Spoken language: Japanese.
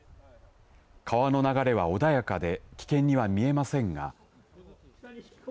川の流れは穏やかで危険には見えませんが。